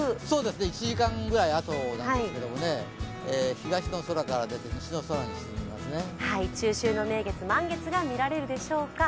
１時間ぐらいあとなんですけれども、東の空から西の空に沈みますね、中秋の名月満月が見られるでしょうか。